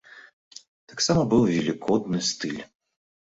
Таксама быў велікодны стыль.